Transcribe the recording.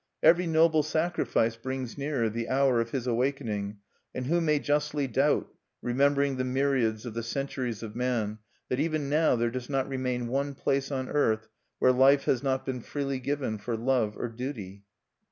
Every noble sacrifice brings nearer the hour of his awakening; and who may justly doubt remembering the myriads of the centuries of man that even now there does not remain one place on earth where life has not been freely given for love or duty?